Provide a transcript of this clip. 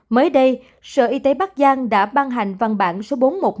mới đây sở y tế bắc giang đã ban hành văn bản số bốn trăm một mươi ba